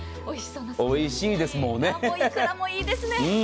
おいしいですもん。